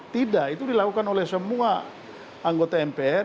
tidak itu dilakukan oleh semua anggota mpr